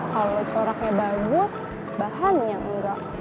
kalau coraknya bagus bahannya enggak